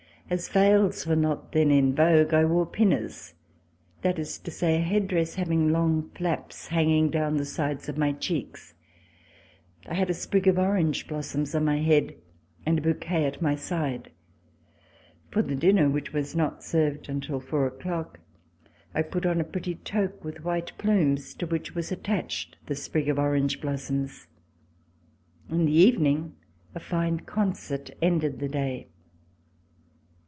As veils were not then in vogue, I wore pinners, that is to say, a head dress having long flaps hanging down the sides of my cheeks. I had a sprig of orange blossoms on my head and a bouquet at my side. For the dinner, which was not served until four o'clock, I put on a pretty toque, with white plumes, to which was attached the sprig of orange blossoms. In the evening a fine concert ended the day.